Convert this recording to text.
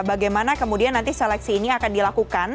bagaimana kemudian nanti seleksi ini akan dilakukan